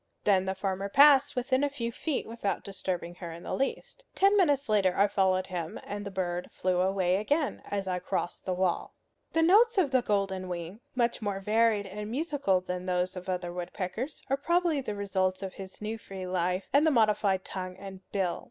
Then the farmer passed within a few feet without disturbing her in the least. Ten minutes later I followed him, and the bird flew away again as I crossed the wall. The notes of the golden wing much more varied and musical than those of other woodpeckers are probably the results of his new free life, and the modified tongue and bill.